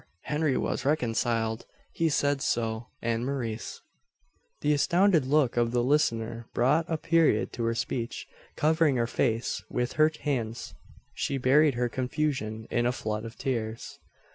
Henry was reconciled. He said so; and Maurice " The astounded look of the listener brought a period to her speech. Covering her face with her hands, she buried her confusion in a flood of tears.